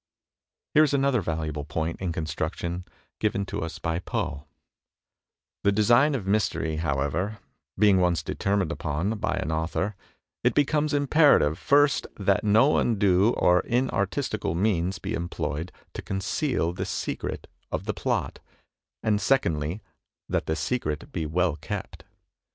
Here is another valuable point in construction given us by Poe: "The design of mystery, however, being once determined upon by an author, it becomes imperative, first that no imdue or inartistical means be employed to conceal the secret of the plot; and, secondly, that the secret be well kept.